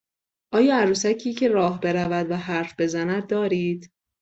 آیا عروسکی که راه برود و حرف بزند دارید؟